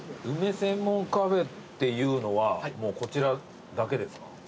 梅専門カフェっていうのはもうこちらだけですか？